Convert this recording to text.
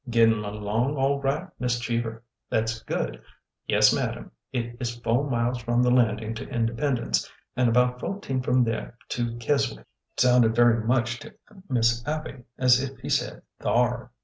Getting along all right. Miss. Cheever ? That 's good. Yes, madam, it is fo' miles from the landing to Indepen dence, and about fo'teen from there to Keswick." It sounded very much to Miss Abby as if he said thar."